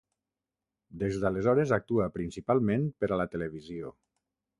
Des d’aleshores actua principalment per a la televisió.